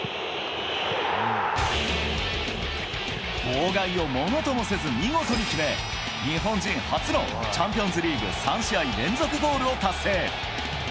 妨害をものともせず見事に決め、日本人初のチャンピオンズリーグ３試合連続ゴールを達成。